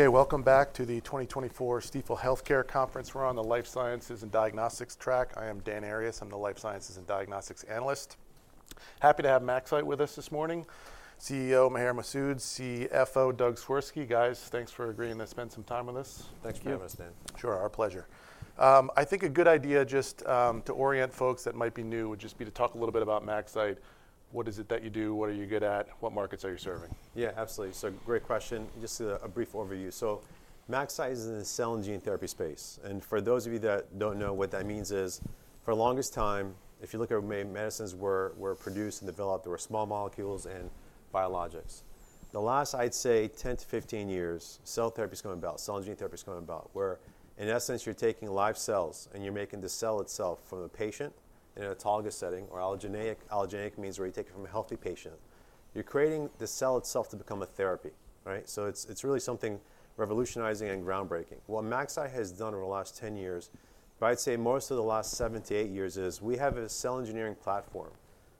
Okay, welcome back to the 2024 Stifel Healthcare Conference. We're on the Life Sciences and Diagnostics track. I am Dan Arias. I'm the Life Sciences and Diagnostics Analyst. Happy to have MaxCyte with us this morning. CEO Maher Masoud, CFO Doug Swirsky. Guys, thanks for agreeing to spend some time with us. Thanks for having us, Dan. Sure, our pleasure. I think a good idea just to orient folks that might be new would just be to talk a little bit about MaxCyte. What is it that you do? What are you good at? What markets are you serving? Yeah, absolutely. So, great question. Just a brief overview. So, MaxCyte is in the cell and gene therapy space. And for those of you that don't know, what that means is, for the longest time, if you look at where medicines were produced and developed, there were small molecules and biologics. The last, I'd say, 10 to 15 years, cell therapy's coming about. Cell and gene therapy's coming about, where, in essence, you're taking live cells and you're making the cell itself from a patient in an autologous setting, or allogeneic. Allogeneic means where you take it from a healthy patient. You're creating the cell itself to become a therapy, right? So, it's really something revolutionizing and groundbreaking. What MaxCyte has done over the last 10 years, but I'd say most of the last seven to eight years, is we have a cell engineering platform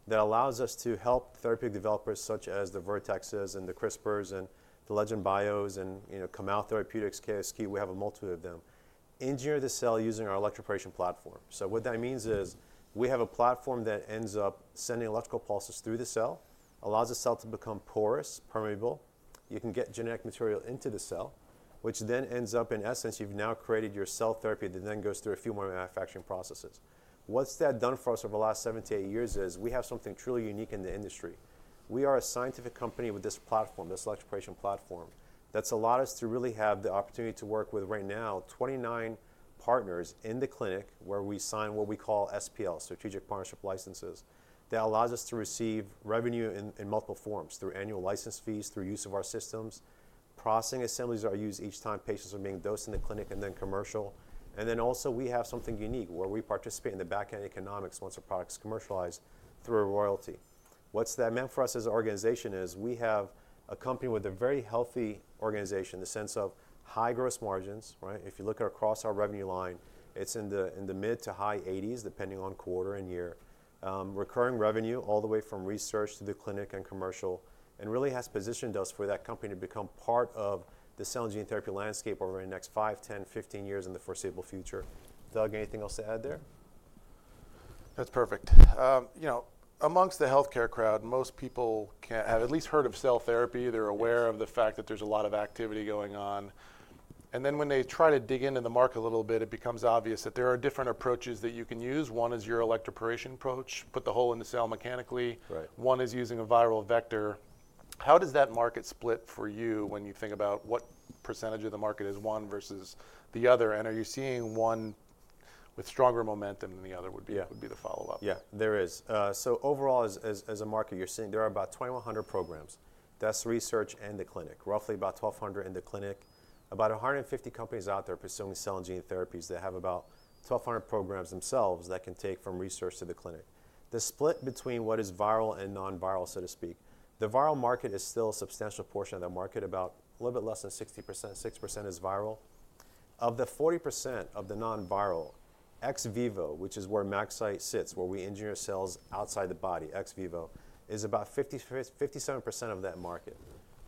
that allows us to help therapeutic developers such as the Vertexes and the CRISPRs and the Legend Biotechs and, you know, Kamau Therapeutics, KSQ. We have a multitude of them. Engineer the cell using our electroporation platform. So, what that means is we have a platform that ends up sending electrical pulses through the cell, allows the cell to become porous, permeable. You can get genetic material into the cell, which then ends up, in essence, you've now created your cell therapy that then goes through a few more manufacturing processes. What's that done for us over the last seven to eight years is we have something truly unique in the industry. We are a scientific company with this platform, this electroporation platform, that's allowed us to really have the opportunity to work with, right now, 29 partners in the clinic where we sign what we call SPL, Strategic Platform Licenses, that allows us to receive revenue in multiple forms: through annual license fees, through use of our systems, processing assemblies that are used each time patients are being dosed in the clinic, and then commercial, and then also, we have something unique where we participate in the backend economics once a product's commercialized through a royalty. What's that meant for us as an organization is we have a company with a very healthy organization, in the sense of high gross margins, right? If you look at across our revenue line, it's in the mid- to high 80s%, depending on quarter and year. Recurring revenue all the way from research to the clinic and commercial, and really has positioned us for that company to become part of the cell and gene therapy landscape over the next five, 10, 15 years in the foreseeable future. Doug, anything else to add there? That's perfect. You know, among the healthcare crowd, most people have at least heard of cell therapy. They're aware of the fact that there's a lot of activity going on, and then when they try to dig into the market a little bit, it becomes obvious that there are different approaches that you can use. One is your electroporation approach, put the hole in the cell mechanically. One is using a viral vector. How does that market split for you when you think about what percentage of the market is one versus the other? And are you seeing one with stronger momentum than the other would be the follow-up? Yeah, there is. So, overall, as a market, you're seeing there are about 2,100 programs that are in research and the clinic. Roughly about 1,200 in the clinic. About 150 companies out there pursuing cell and gene therapies that have about 1,200 programs themselves that can take from research to the clinic. The split between what is viral and non-viral, so to speak, the viral market is still a substantial portion of that market, about a little bit less than 60%. 60% is viral. Of the 40% of the non-viral, ex vivo, which is where MaxCyte sits, where we engineer cells outside the body, ex vivo, is about 57% of that market.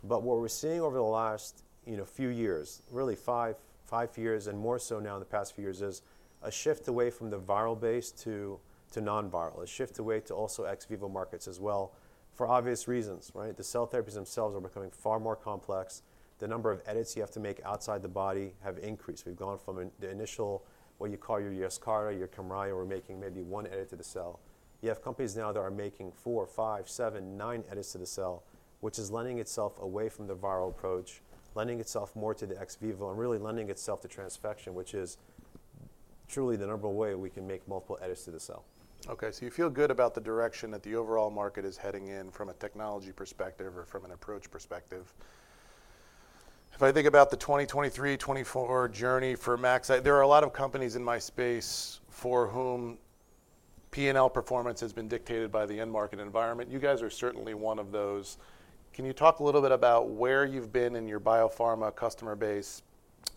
But what we're seeing over the last, you know, few years, really five years and more so now in the past few years, is a shift away from the viral base to non-viral, a shift away to also ex vivo markets as well for obvious reasons, right? The cell therapies themselves are becoming far more complex. The number of edits you have to make outside the body have increased. We've gone from the initial, what you call your Yescarta, your Kymriah, where we're making maybe one edit to the cell. You have companies now that are making four, five, seven, nine edits to the cell, which is lending itself away from the viral approach, lending itself more to the ex vivo, and really lending itself to transfection, which is truly the number one way we can make multiple edits to the cell. Okay, so you feel good about the direction that the overall market is heading in from a technology perspective or from an approach perspective. If I think about the 2023, 2024 journey for MaxCyte, there are a lot of companies in my space for whom P&L performance has been dictated by the end market environment. You guys are certainly one of those. Can you talk a little bit about where you've been in your biopharma customer base,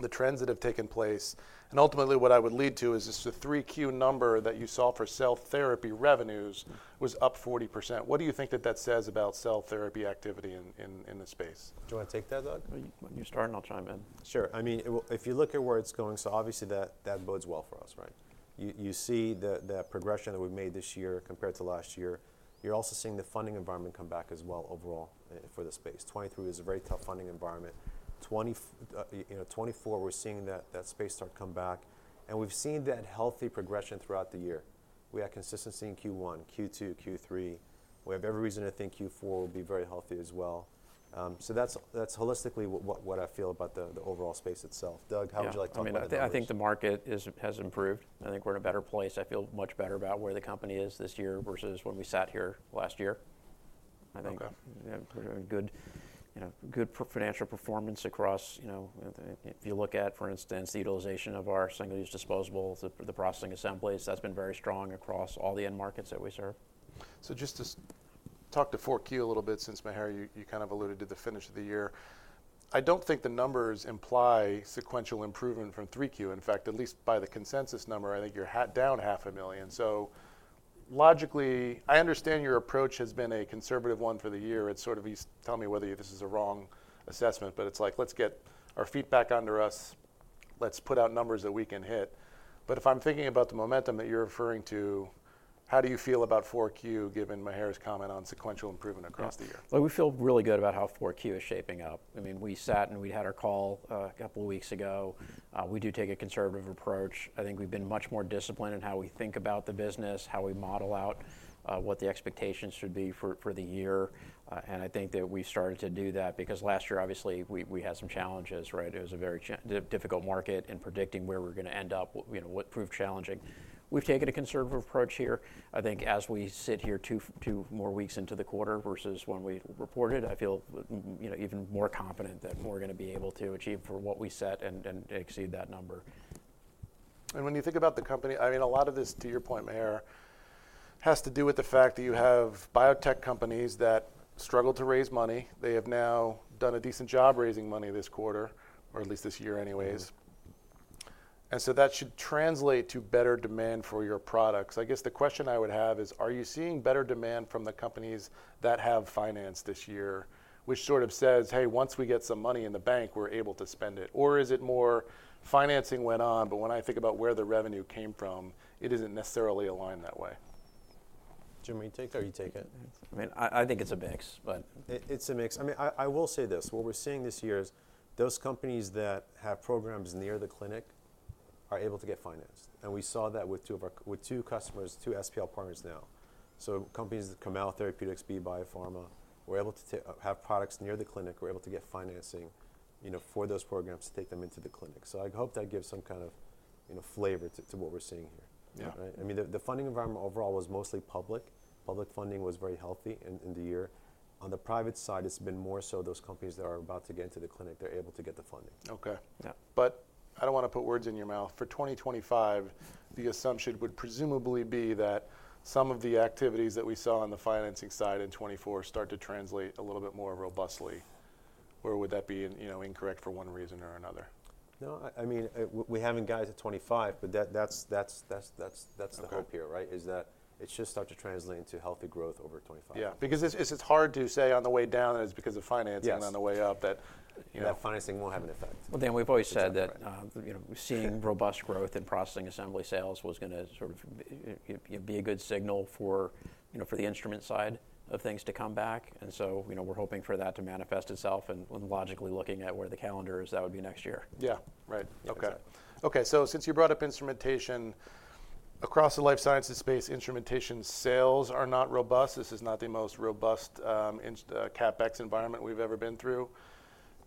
the trends that have taken place? And ultimately, what I would lead to is this three-key number that you saw for cell therapy revenues was up 40%. What do you think that that says about cell therapy activity in the space? Do you want to take that, Doug? When you start and I'll chime in. Sure. I mean, if you look at where it's going, so obviously that bodes well for us, right? You see that progression that we've made this year compared to last year. You're also seeing the funding environment come back as well overall for the space. 2023 was a very tough funding environment. 2024, we're seeing that space start to come back. And we've seen that healthy progression throughout the year. We had consistency in Q1, Q2, Q3. We have every reason to think Q4 will be very healthy as well. So that's holistically what I feel about the overall space itself. Doug, how would you like to comment on that? I think the market has improved. I think we're in a better place. I feel much better about where the company is this year versus when we sat here last year. I think we've had a good financial performance across, you know, if you look at, for instance, the utilization of our single-use disposables, the processing assemblies, that's been very strong across all the end markets that we serve. So just to talk to Q4 a little bit, since Maher, you kind of alluded to the end of the year. I don't think the numbers imply sequential improvement from Q3. In fact, at least by the consensus number, I think you're down $500,000. So logically, I understand your approach has been a conservative one for the year. It's sort of, you tell me whether this is a wrong assessment, but it's like, let's get our feet back under us. Let's put out numbers that we can hit. But if I'm thinking about the momentum that you're referring to, how do you feel about Q4 given Maher's comment on sequential improvement across the year? Well, we feel really good about how Q4 is shaping up. I mean, we sat and we had our call a couple of weeks ago. We do take a conservative approach. I think we've been much more disciplined in how we think about the business, how we model out what the expectations should be for the year. And I think that we've started to do that because last year, obviously, we had some challenges, right? It was a very difficult market in predicting where we're going to end up, you know, what proved challenging. We've taken a conservative approach here. I think as we sit here two more weeks into the quarter versus when we reported, I feel, you know, even more confident that we're going to be able to achieve for what we set and exceed that number. When you think about the company, I mean, a lot of this, to your point, Maher, has to do with the fact that you have biotech companies that struggled to raise money. They have now done a decent job raising money this quarter, or at least this year anyways. So that should translate to better demand for your products. I guess the question I would have is, are you seeing better demand from the companies that have financed this year, which sort of says, hey, once we get some money in the bank, we're able to spend it? Is it more financing went on, but when I think about where the revenue came from, it isn't necessarily aligned that way? Do you want me to take that or you take it? I mean, I think it's a mix, but. It's a mix. I mean, I will say this. What we're seeing this year is those companies that have programs near the clinic are able to get financed. We saw that with two customers, two SPL partners now. So companies like Kamau Therapeutics, Be Biopharma, were able to have products near the clinic. We're able to get financing, you know, for those programs to take them into the clinic. So I hope that gives some kind of, you know, flavor to what we're seeing here. I mean, the funding environment overall was mostly public. Public funding was very healthy in the year. On the private side, it's been more so those companies that are about to get into the clinic, they're able to get the funding. Okay. But I don't want to put words in your mouth. For 2025, the assumption would presumably be that some of the activities that we saw on the financing side in 2024 start to translate a little bit more robustly. Or would that be, you know, incorrect for one reason or another? No, I mean, we haven't gotten to 2025, but that's the hope here, right? Is that it should start to translate into healthy growth over 2025. Yeah, because it's hard to say on the way down that it's because of financing on the way up that. Yeah, financing won't have an effect. Dan, we've always said that, you know, seeing robust growth in Processing Assembly sales was going to sort of be a good signal for, you know, for the instrument side of things to come back. You know, we're hoping for that to manifest itself. Logically looking at where the calendar is, that would be next year. Yeah, right. Okay. Okay, so since you brought up instrumentation, across the life sciences space, instrumentation sales are not robust. This is not the most robust CapEx environment we've ever been through.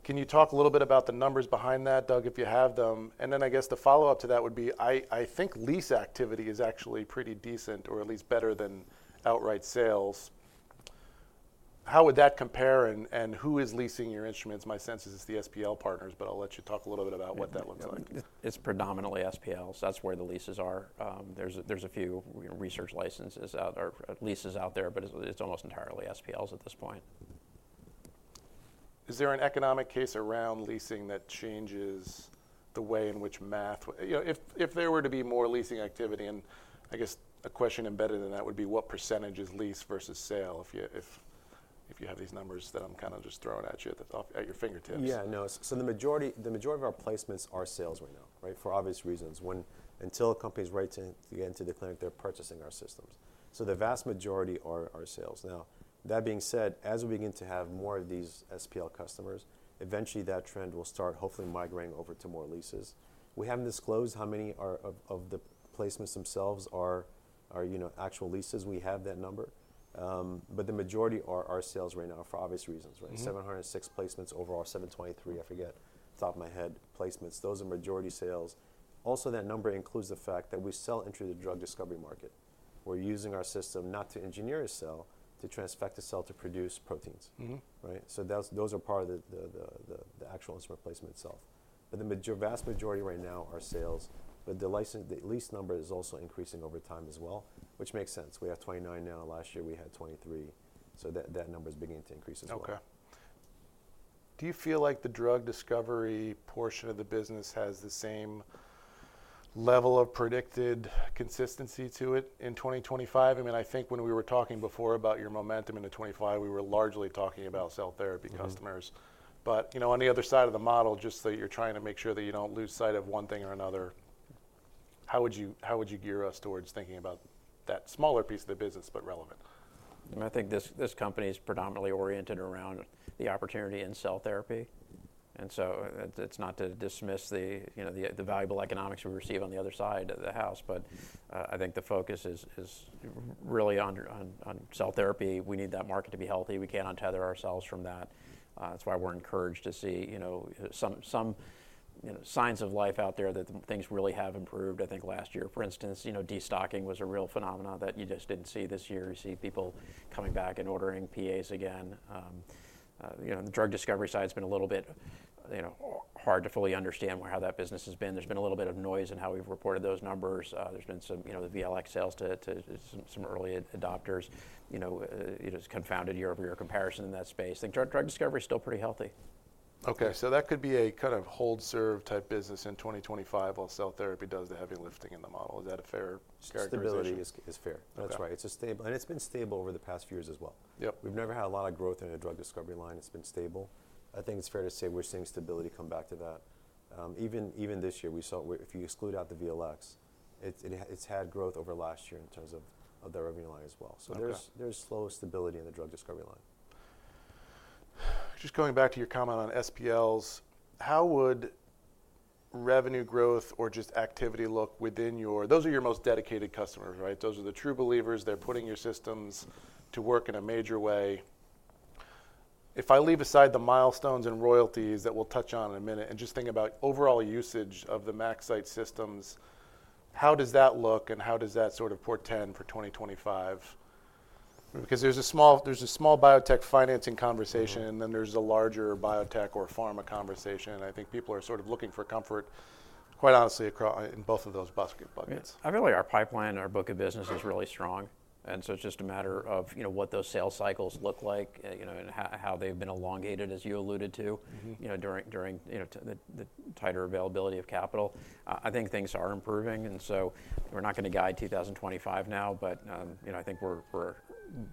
Can you talk a little bit about the numbers behind that, Doug, if you have them? And then I guess the follow-up to that would be, I think lease activity is actually pretty decent, or at least better than outright sales. How would that compare? And who is leasing your instruments? My sense is it's the SPL partners, but I'll let you talk a little bit about what that looks like. It's predominantly SPLs. That's where the leases are. There's a few research licenses or leases out there, but it's almost entirely SPLs at this point. Is there an economic case around leasing that changes the way in which math, you know, if there were to be more leasing activity? And I guess a question embedded in that would be, what percentage is lease versus sale if you have these numbers that I'm kind of just throwing at you at your fingertips? Yeah, no. So the majority of our placements are sales right now, right? For obvious reasons. Until a company's ready to get into the clinic, they're purchasing our systems. So the vast majority are sales. Now, that being said, as we begin to have more of these SPL customers, eventually that trend will start hopefully migrating over to more leases. We haven't disclosed how many of the placements themselves are, you know, actual leases. We have that number. But the majority are sales right now for obvious reasons, right? 706 placements overall, 723, I forget, top of my head, placements. Those are majority sales. Also, that number includes the fact that we sell into the drug discovery market. We're using our system not to engineer a cell, to transfect a cell to produce proteins, right? So those are part of the actual instrument placement itself. But the vast majority right now are sales. But the lease number is also increasing over time as well, which makes sense. We have 29 now. Last year we had 23. So that number is beginning to increase as well. Okay. Do you feel like the drug discovery portion of the business has the same level of predicted consistency to it in 2025? I mean, I think when we were talking before about your momentum into 2025, we were largely talking about cell therapy customers. But, you know, on the other side of the model, just that you're trying to make sure that you don't lose sight of one thing or another, how would you gear us towards thinking about that smaller piece of the business, but relevant? I think this company is predominantly oriented around the opportunity in cell therapy, and so it's not to dismiss the, you know, the valuable economics we receive on the other side of the house, but I think the focus is really on cell therapy. We need that market to be healthy. We can't untether ourselves from that. That's why we're encouraged to see, you know, some signs of life out there that things really have improved, I think, last year. For instance, you know, destocking was a real phenomenon that you just didn't see this year. You see people coming back and ordering PAs again. You know, the drug discovery side has been a little bit, you know, hard to fully understand how that business has been. There's been a little bit of noise in how we've reported those numbers. There's been some, you know, the VLX sales to some early adopters, you know. It was confounded year over year comparison in that space. I think drug discovery is still pretty healthy. Okay, so that could be a kind of hold-serve type business in 2025 while cell therapy does the heavy lifting in the model. Is that a fair characterization? Stability is there. That's right. It's stable, and it's been stable over the past few years as well. We've never had a lot of growth in a drug discovery line. It's been stable. I think it's fair to say we're seeing stability come back to that. Even this year, we saw, if you exclude out the VLX, it's had growth over last year in terms of the revenue line as well. So there's solid stability in the drug discovery line. Just going back to your comment on SPLs, how would revenue growth or just activity look within your, those are your most dedicated customers, right? Those are the true believers. They're putting your systems to work in a major way. If I leave aside the milestones and royalties that we'll touch on in a minute and just think about overall usage of the MaxCyte systems, how does that look and how does that sort of portend for 2025? Because there's a small biotech financing conversation and then there's a larger biotech or pharma conversation. I think people are sort of looking for comfort, quite honestly, in both of those buckets. I really, our pipeline and our book of business is really strong, and so it's just a matter of, you know, what those sales cycles look like, you know, and how they've been elongated, as you alluded to, you know, during, you know, the tighter availability of capital. I think things are improving, and so we're not going to guide 2025 now, but, you know, I think we're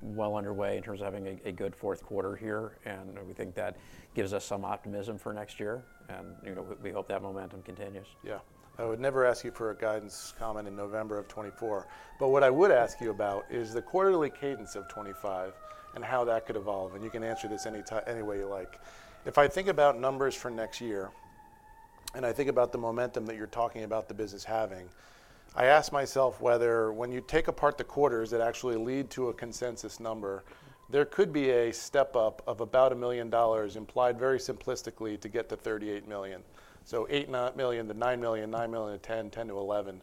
well underway in terms of having a good Q4 here, and we think that gives us some optimism for next year, and, you know, we hope that momentum continues. Yeah. I would never ask you for a guidance comment in November of 2024. But what I would ask you about is the quarterly cadence of 2025 and how that could evolve. And you can answer this any way you like. If I think about numbers for next year and I think about the momentum that you're talking about the business having, I ask myself whether when you take apart the quarters that actually lead to a consensus number, there could be a step up of about $1 million implied very simplistically to get to $38 million. So $8 million, the $9 million, $9 million, $10 million, $10 million to $11 million.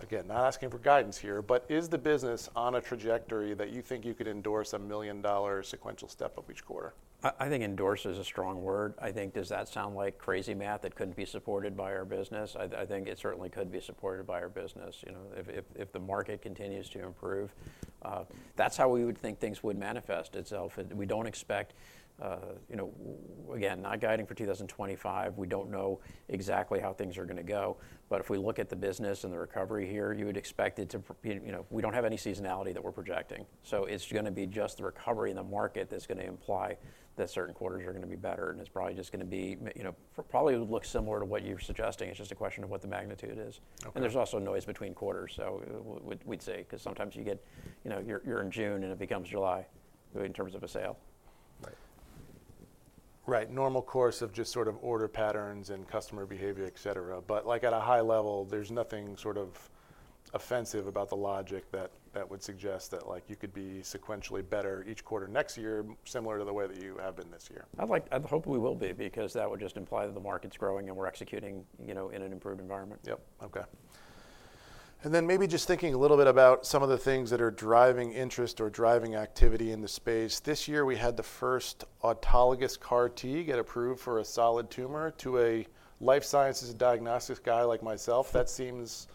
Again, not asking for guidance here, but is the business on a trajectory that you think you could endorse a $1 million sequential step up each quarter? I think endorse is a strong word. I think, does that sound like crazy math that couldn't be supported by our business? I think it certainly could be supported by our business, you know, if the market continues to improve. That's how we would think things would manifest itself. We don't expect, you know, again, not guiding for 2025. We don't know exactly how things are going to go. But if we look at the business and the recovery here, you would expect it to, you know, we don't have any seasonality that we're projecting. So it's going to be just the recovery in the market that's going to imply that certain quarters are going to be better. And it's probably just going to be, you know, probably it would look similar to what you're suggesting. It's just a question of what the magnitude is. There's also noise between quarters, so we'd say, because sometimes you get, you know, you're in June and it becomes July in terms of a sale. Right. Right. Normal course of just sort of order patterns and customer behavior, et cetera. But like at a high level, there's nothing sort of offensive about the logic that would suggest that like you could be sequentially better each quarter next year, similar to the way that you have been this year. I hope we will be because that would just imply that the market's growing and we're executing, you know, in an improved environment. Yep. Okay. And then maybe just thinking a little bit about some of the things that are driving interest or driving activity in the space. This year we had the first autologous CAR-T get approved for a solid tumor to a life sciences and diagnostics guy like myself. That seems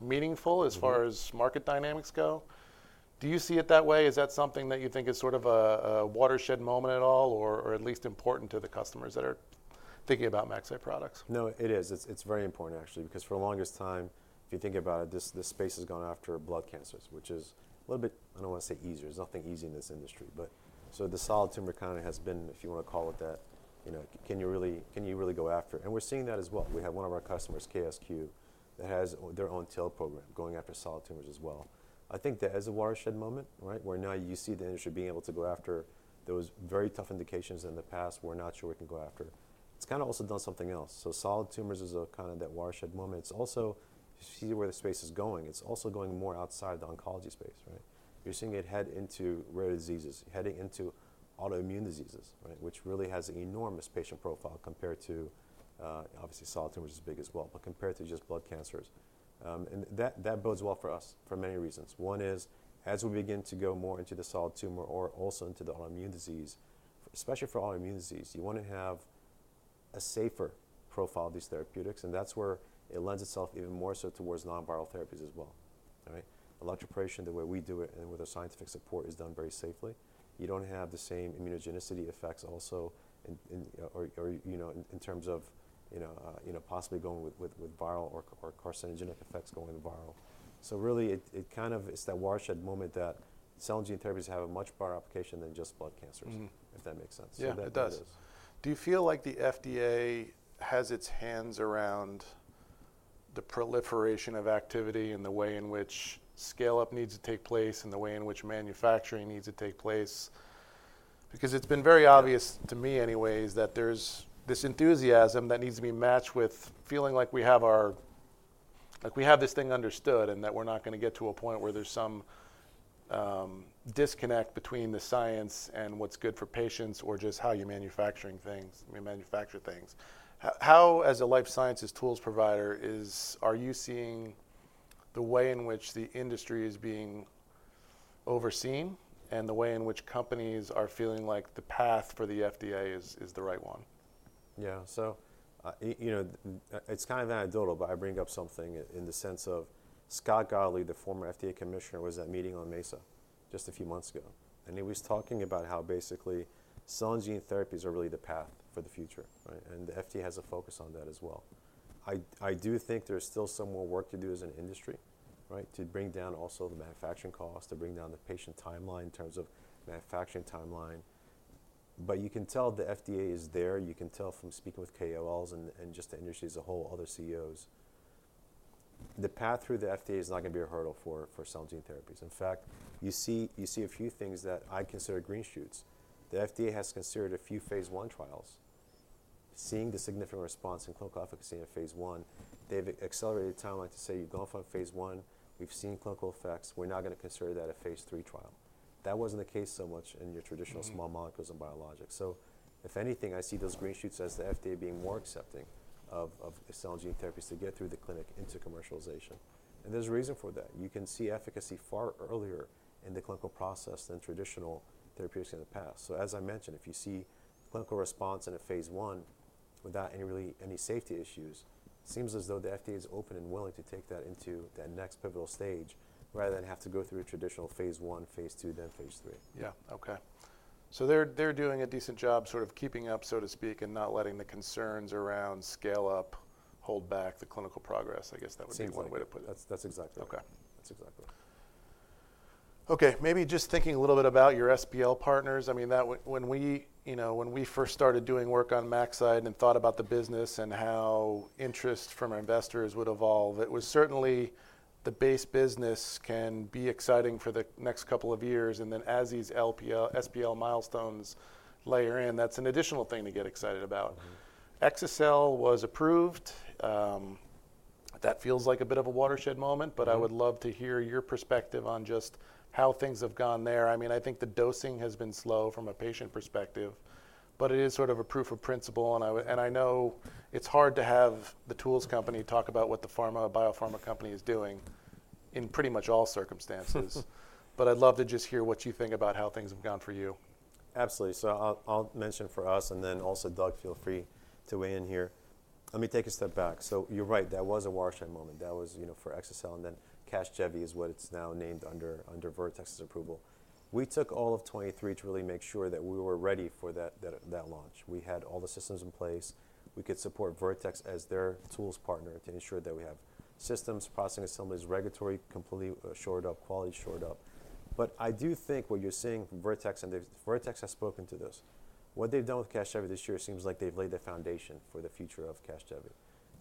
meaningful as far as market dynamics go. Do you see it that way? Is that something that you think is sort of a watershed moment at all, or at least important to the customers that are thinking about MaxCyte products? No, it is. It's very important actually, because for the longest time, if you think about it, this space has gone after blood cancers, which is a little bit. I don't want to say easier. There's nothing easy in this industry. But so the solid tumor kind of has been, if you want to call it that, you know, can you really go after? And we're seeing that as well. We have one of our customers, KSQ, that has their own TIL program going after solid tumors as well. I think that as a watershed moment, right, where now you see the industry being able to go after those very tough indications in the past we're not sure we can go after. It's kind of also done something else. So solid tumors is a kind of that watershed moment. It's also, you see where the space is going, it's also going more outside the oncology space, right? You're seeing it head into rare diseases, heading into autoimmune diseases, right, which really has an enormous patient profile compared to, obviously, solid tumors is big as well, but compared to just blood cancers. And that bodes well for us for many reasons. One is as we begin to go more into the solid tumor or also into the autoimmune disease, especially for autoimmune disease, you want to have a safer profile of these therapeutics. And that's where it lends itself even more so towards non-viral therapies as well, right? Electroporation, the way we do it and with our scientific support is done very safely. You don't have the same immunogenicity effects also, or, you know, in terms of, you know, possibly going with viral or carcinogenic effects going viral. So really it kind of, it's that watershed moment that cell and gene therapies have a much broader application than just blood cancers, if that makes sense. Yeah, it does. Do you feel like the FDA has its hands around the proliferation of activity and the way in which scale-up needs to take place and the way in which manufacturing needs to take place? Because it's been very obvious to me anyways that there's this enthusiasm that needs to be matched with feeling like we have our, like we have this thing understood and that we're not going to get to a point where there's some disconnect between the science and what's good for patients or just how you're manufacturing things. How, as a life sciences tools provider, are you seeing the way in which the industry is being overseen and the way in which companies are feeling like the path for the FDA is the right one? Yeah. So, you know, it's kind of anecdotal, but I bring up something in the sense of Scott Gottlieb, the former FDA commissioner, was at a meeting on Mesa just a few months ago. And he was talking about how basically cell and gene therapies are really the path for the future, right? And the FDA has a focus on that as well. I do think there's still some more work to do as an industry, right, to bring down also the manufacturing cost, to bring down the patient timeline in terms of manufacturing timeline. But you can tell the FDA is there. You can tell from speaking with KOLs and just the industry as a whole, other CEOs. The path through the FDA is not going to be a hurdle for cell and gene therapies. In fact, you see a few things that I consider green shoots. The FDA has considered a few Phase I trials. Seeing the significant response and clinical efficacy in Phase I, they've accelerated the timeline to say you're going from Phase I, we've seen clinical effects, we're not going to consider that a Phase III trial. That wasn't the case so much in your traditional small molecules and biologics, so if anything, I see those green shoots as the FDA being more accepting of cell and gene therapies to get through the clinic into commercialization, and there's a reason for that. You can see efficacy far earlier in the clinical process than traditional therapeutics in the past. So as I mentioned, if you see clinical response in a Phase I without really any safety issues, it seems as though the FDA is open and willing to take that into that next pivotal stage rather than have to go through a traditional Phase I, Phase II, then Phase III. Yeah. Okay, so they're doing a decent job sort of keeping up, so to speak, and not letting the concerns around scale-up hold back the clinical progress, I guess that would be one way to put it. That's exactly right. Okay. That's exactly right. Okay. Maybe just thinking a little bit about your SPL partners. I mean, when we, you know, when we first started doing work on MaxCyte and thought about the business and how interest from our investors would evolve, it was certainly the base business can be exciting for the next couple of years. And then as these SPL milestones layer in, that's an additional thing to get excited about. Exa-cel was approved. That feels like a bit of a watershed moment, but I would love to hear your perspective on just how things have gone there. I mean, I think the dosing has been slow from a patient perspective, but it is sort of a proof of principle. And I know it's hard to have the tools company talk about what the pharma, biopharma company is doing in pretty much all circumstances. But I'd love to just hear what you think about how things have gone for you. Absolutely. So I'll mention for us and then also Doug, feel free to weigh in here. Let me take a step back. So you're right, that was a watershed moment. That was, you know, for Exa-cel and then Casgevy is what it's now named under Vertex's approval. We took all of 2023 to really make sure that we were ready for that launch. We had all the systems in place. We could support Vertex as their tools partner to ensure that we have systems, processing assemblies, regulatory completely shored up, quality shored up. But I do think what you're seeing from Vertex, and Vertex has spoken to this, what they've done with Casgevy this year seems like they've laid the foundation for the future of Casgevy.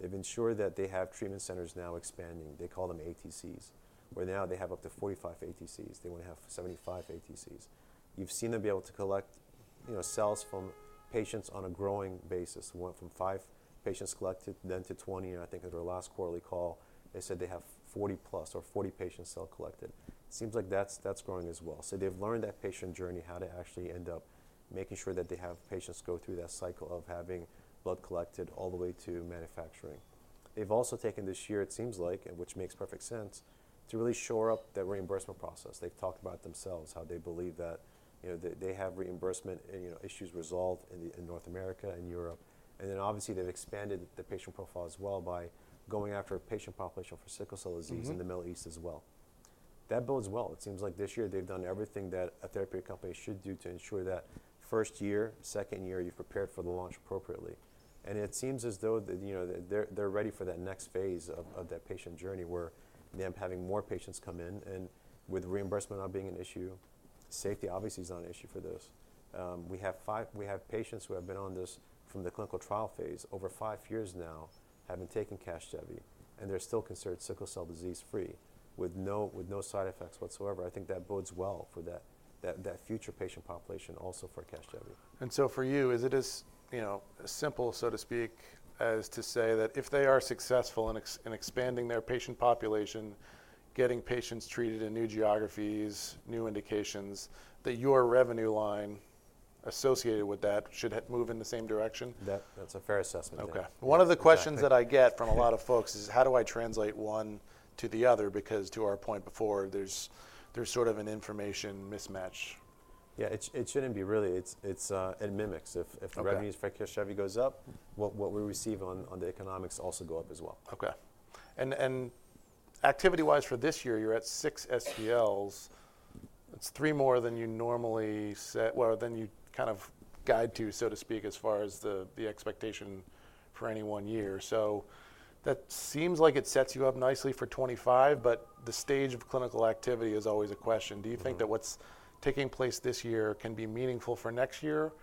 They've ensured that they have treatment centers now expanding. They call them ATCs, where now they have up to 45 ATCs. They want to have 75 ATCs. You've seen them be able to collect, you know, cells from patients on a growing basis. We went from five patients collected then to 20, and I think at our last quarterly call, they said they have 40 plus or 40 patients' cells collected. Seems like that's growing as well, so they've learned that patient journey, how to actually end up making sure that they have patients go through that cycle of having blood collected all the way to manufacturing. They've also taken this year, it seems like, which makes perfect sense, to really shore up that reimbursement process. They've talked about themselves, how they believe that, you know, they have reimbursement issues resolved in North America and Europe. Then obviously they've expanded the patient profile as well by going after a patient population for sickle cell disease in the Middle East as well. That bodes well. It seems like this year they've done everything that a therapeutic company should do to ensure that first year, second year, you've prepared for the launch appropriately. And it seems as though, you know, they're ready for that next phase of that patient journey where they're having more patients come in and with reimbursement not being an issue, safety obviously is not an issue for those. We have patients who have been on this from the clinical trial phase over five years now, having taken Casgevy, and they're still considered sickle cell disease free with no side effects whatsoever. I think that bodes well for that future patient population also for Casgevy. For you, is it as, you know, simple, so to speak, as to say that if they are successful in expanding their patient population, getting patients treated in new geographies, new indications, that your revenue line associated with that should move in the same direction? That's a fair assessment, yeah. Okay. One of the questions that I get from a lot of folks is, how do I translate one to the other? Because to our point before, there's sort of an information mismatch. Yeah, it shouldn't be really. It mimics. If revenues for Casgevy goes up, what we receive on the economics also go up as well. Okay. And activity-wise for this year, you're at six SPLs. That's three more than you normally set, well, than you kind of guide to, so to speak, as far as the expectation for any one year. So that seems like it sets you up nicely for 2025, but the stage of clinical activity is always a question. Do you think that what's taking place this year can be meaningful for next year,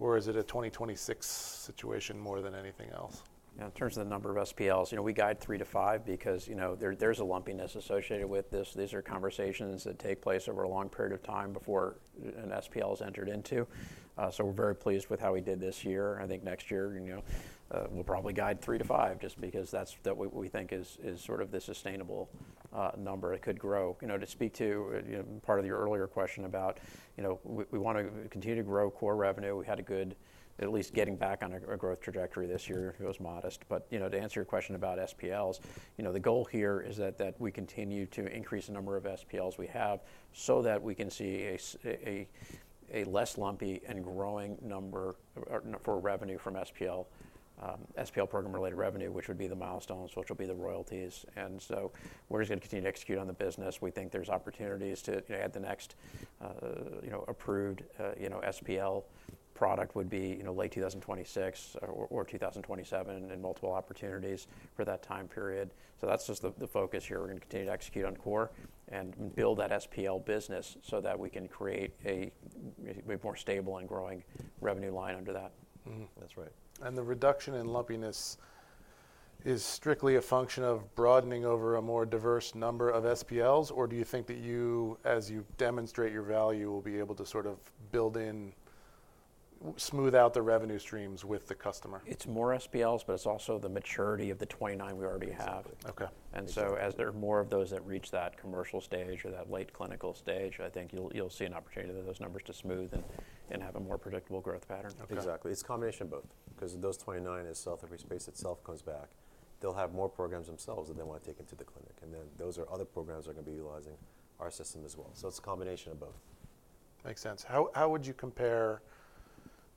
or is it a 2026 situation more than anything else? Yeah, in terms of the number of SPLs, you know, we guide three to five because, you know, there's a lumpiness associated with this. These are conversations that take place over a long period of time before an SPL is entered into. So we're very pleased with how we did this year. I think next year, you know, we'll probably guide three to five just because that's what we think is sort of the sustainable number. It could grow, you know, to speak to, you know, part of your earlier question about, you know, we want to continue to grow core revenue. We had a good, at least getting back on a growth trajectory this year. It was modest. But, you know, to answer your question about SPLs, you know, the goal here is that we continue to increase the number of SPLs we have so that we can see a less lumpy and growing number for revenue from SPL, SPL program-related revenue, which would be the milestones, which will be the royalties. And so we're just going to continue to execute on the business. We think there's opportunities to add the next, you know, approved, you know, SPL product would be, you know, late 2026 or 2027 and multiple opportunities for that time period. So that's just the focus here. We're going to continue to execute on core and build that SPL business so that we can create a more stable and growing revenue line under that. That's right and the reduction in lumpiness is strictly a function of broadening over a more diverse number of SPLs, or do you think that you, as you demonstrate your value, will be able to sort of build in, smooth out the revenue streams with the customer? It's more SPLs, but it's also the maturity of the 2029 we already have. Okay. As there are more of those that reach that commercial stage or that late clinical stage, I think you'll see an opportunity for those numbers to smooth and have a more predictable growth pattern. Okay. Exactly. It's a combination of both because those in the cell therapy space itself comes back. They'll have more programs themselves that they want to take into the clinic. And then those are other programs that are going to be utilizing our system as well. So it's a combination of both. Makes sense. How would you compare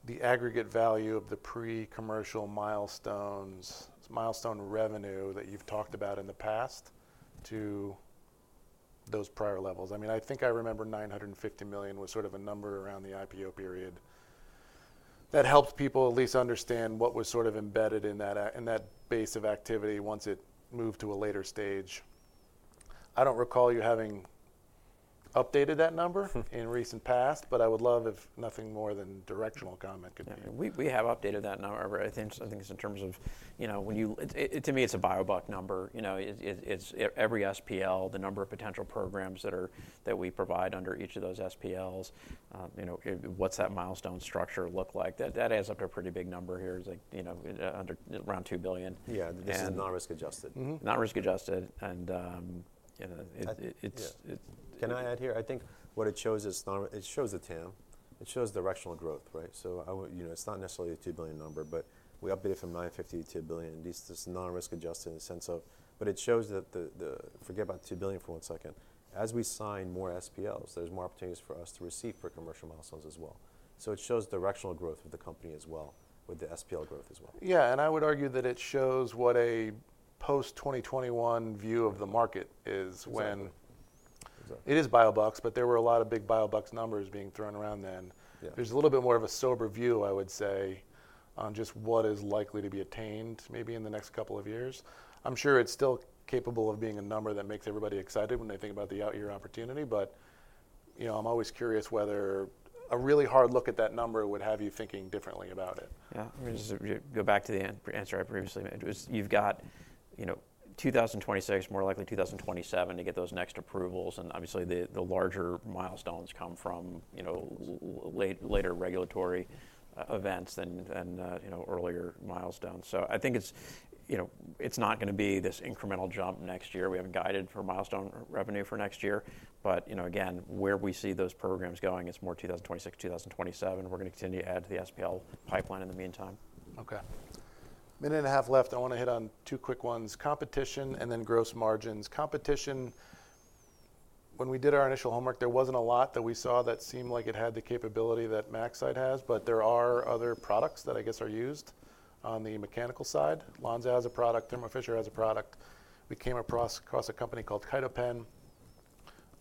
the aggregate value of the pre-commercial milestones, milestone revenue that you've talked about in the past to those prior levels? I mean, I think I remember $950 million was sort of a number around the IPO period. That helps people at least understand what was sort of embedded in that base of activity once it moved to a later stage. I don't recall you having updated that number in recent past, but I would love nothing more than a directional comment. We have updated that number. I think it's in terms of, you know, when you, to me, it's a biobuck number. You know, it's every SPL, the number of potential programs that we provide under each of those SPLs, you know, what's that milestone structure look like? That adds up to a pretty big number here. It's like, you know, around $2 billion. Yeah. This is non-risk adjusted. Not risk adjusted, and it's. Can I add here? I think what it shows is, it shows the TAM. It shows directional growth, right? So I, you know, it's not necessarily a $2 billion number, but we updated from $950 million to $2 billion. It's non-risk adjusted in the sense of, but it shows that the, forget about $2 billion for one second. As we sign more SPLs, there's more opportunities for us to receive for commercial milestones as well. So it shows directional growth with the company as well, with the SPL growth as well. Yeah, and I would argue that it shows what a post-2021 view of the market is when. Exactly. It is biobucks, but there were a lot of big biobucks numbers being thrown around then. There's a little bit more of a sober view, I would say, on just what is likely to be attained maybe in the next couple of years. I'm sure it's still capable of being a number that makes everybody excited when they think about the out-year opportunity. But, you know, I'm always curious whether a really hard look at that number would have you thinking differently about it. Yeah. I mean, just go back to the answer I previously made. You've got, you know, 2026, more likely 2027 to get those next approvals. And obviously the larger milestones come from, you know, later regulatory events than, you know, earlier milestones. So I think it's, you know, it's not going to be this incremental jump next year. We haven't guided for milestone revenue for next year. But, you know, again, where we see those programs going, it's more 2026, 2027. We're going to continue to add to the SPL pipeline in the meantime. Okay. One minute and a half left. I want to hit on two quick ones. Competition and then gross margins. Competition, when we did our initial homework, there wasn't a lot that we saw that seemed like it had the capability that MaxCyte has, but there are other products that I guess are used on the mechanical side. Lonza has a product, Thermo Fisher has a product. We came across a company called Kytopen.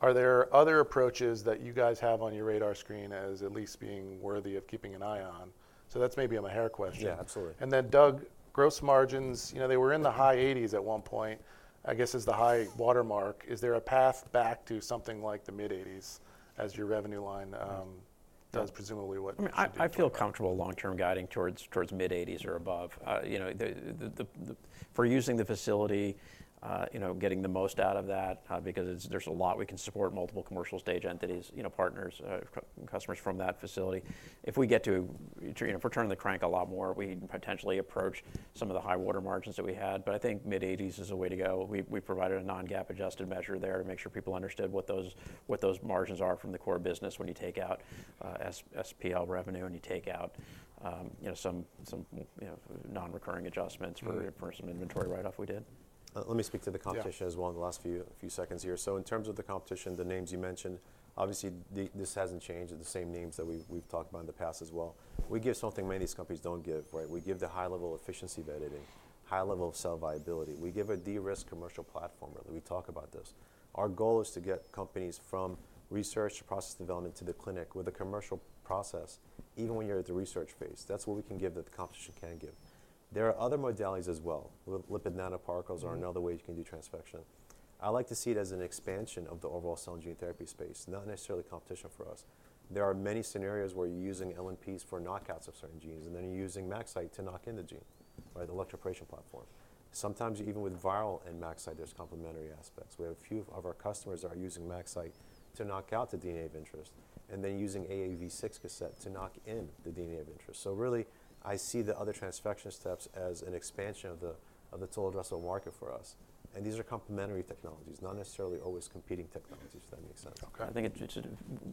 Are there other approaches that you guys have on your radar screen as at least being worthy of keeping an eye on? So that's maybe a Maher question. Yeah, absolutely. And then, Doug, gross margins, you know, they were in the high 80s at one point, I guess is the high watermark. Is there a path back to something like the mid 80s as your revenue line does presumably what? I mean, I feel comfortable long-term guiding towards mid-80s% or above. You know, for using the facility, you know, getting the most out of that because there's a lot we can support multiple commercial stage entities, you know, partners, customers from that facility. If we get to, you know, if we're turning the crank a lot more, we potentially approach some of the high water margins that we had. But I think mid-80s% is the way to go. We provided a non-GAAP adjusted measure there to make sure people understood what those margins are from the core business when you take out SPL revenue and you take out, you know, some, you know, non-recurring adjustments for some inventory write-off we did. Let me speak to the competition as well in the last few seconds here. So in terms of the competition, the names you mentioned, obviously this hasn't changed. The same names that we've talked about in the past as well. We give something many of these companies don't give, right? We give the high level of efficiency of editing, high level of cell viability. We give a de-risk commercial platform. We talk about this. Our goal is to get companies from research to process development to the clinic with a commercial process, even when you're at the research phase. That's what we can give that the competition can give. There are other modalities as well. Lipid nanoparticles are another way you can do transfection. I like to see it as an expansion of the overall cell and gene therapy space, not necessarily competition for us. There are many scenarios where you're using LNPs for knockouts of certain genes and then you're using MaxCyte to knock in the gene, right? The electroporation platform. Sometimes even with viral and MaxCyte, there's complementary aspects. We have a few of our customers that are using MaxCyte to knock out the DNA of interest and then using AAV6 cassette to knock in the DNA of interest. So really I see the other transfection steps as an expansion of the total addressable market for us. And these are complementary technologies, not necessarily always competing technologies, if that makes sense. Okay. I think it's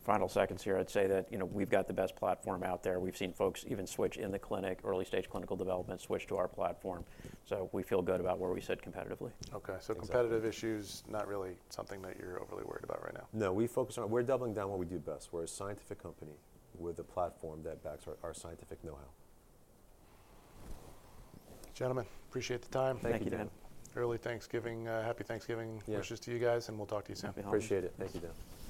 final seconds here. I'd say that, you know, we've got the best platform out there. We've seen folks even switch in the clinic, early stage clinical development, switch to our platform. So we feel good about where we sit competitively. Okay, so competitive issues, not really something that you're overly worried about right now. No, we focus on. We're doubling down what we do best. We're a scientific company with a platform that backs our scientific know-how. Gentlemen, appreciate the time. Thank you, Dan. Early Thanksgiving, happy Thanksgiving wishes to you guys, and we'll talk to you soon. Appreciate it. Thank you, Dan.